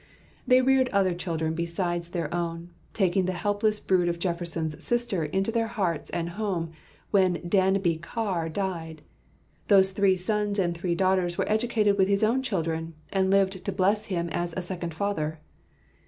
They reared other children besides their own, taking the helpless brood of Jefferson's sister into their hearts and home when Dabney Carr died. Those three sons and three daughters were educated with his own children, and lived to bless him as a second father.